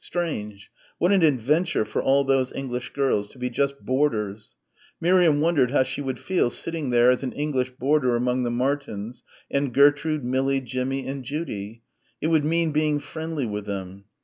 strange what an adventure for all those English girls to be just boarders Miriam wondered how she would feel sitting there as an English boarder among the Martins and Gertrude, Millie, Jimmie and Judy? It would mean being friendly with them.